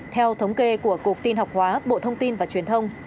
theo thống kê của cục tin học hóa bộ thông tin và truyền thông